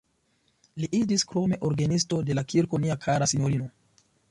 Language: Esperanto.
Li iĝis krome orgenisto de la Kirko Nia kara sinjorino.